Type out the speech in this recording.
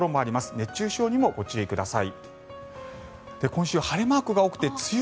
熱中症にもご注意ください。